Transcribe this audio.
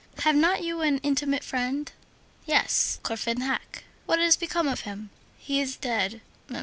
"Have not you an intimate friend?" "Yes, Courfeyrac." "What has become of him?" "He is dead."